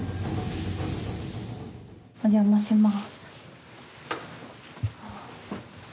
お邪魔します。